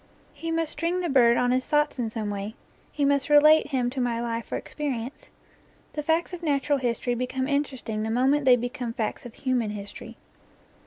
He must string the bird on his thoughts in some way; he must re late him to my life or experience. The facts of nat ural history become interesting the moment they become facts of human history.